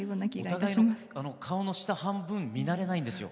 お互いの顔の下半分見慣れないんですよ。